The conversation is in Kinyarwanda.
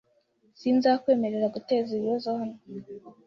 Sinzakwemerera guteza ibibazo hano.